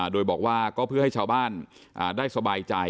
โดยบอกว่าก็เพื่อให้ชาวบ้านได้สบายใจ